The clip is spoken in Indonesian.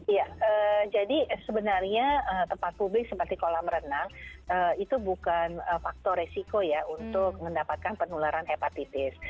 ya jadi sebenarnya tempat publik seperti kolam renang itu bukan faktor resiko ya untuk mendapatkan penularan hepatitis